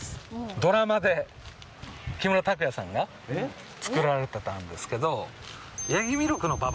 ドラマで木村拓哉さんが作られてたんですけど